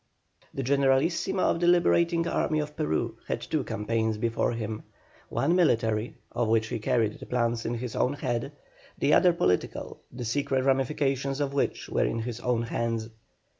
The Generalissimo of the Liberating Army of Peru had two campaigns before him one military, of which he carried the plans in his own head; the other political, the secret ramifications of which were in his own hands.